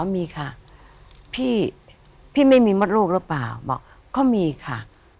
มีค่ะพี่พี่ไม่มีมดลูกหรือเปล่าบอกก็มีค่ะ